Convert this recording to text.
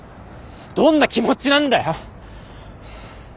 どんな気持ちなんだよ！